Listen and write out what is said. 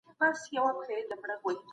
رحمان بابا د تنهايي ژوند خوښاوه.